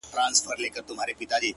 ته مي کله هېره کړې يې;